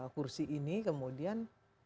kursi ini kemudian